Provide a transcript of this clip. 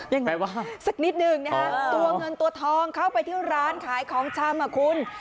ยังไงวะสักนิดหนึ่งนะฮะตัวเงินตัวทองเข้าไปที่ร้านขายของชำอ่ะคุณ